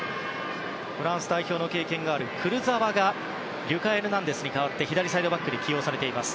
フランス代表の経験があるクルザワがリュカ・エルナンデスに代わって左サイドバックに起用されました。